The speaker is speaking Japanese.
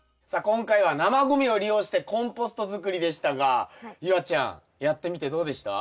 今回は生ごみを利用してコンポストづくりでしたが夕空ちゃんやってみてどうでした？